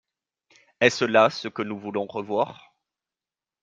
Est-ce là ce que nous voulons revoir?